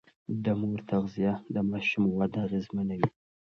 د مور تغذيه د ماشوم وده اغېزمنوي.